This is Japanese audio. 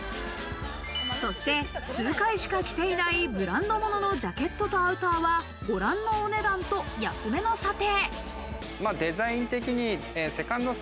そして、数回しか着ていないブランド物のジャケットとアウターは、ご覧のお値段と、安めの査定。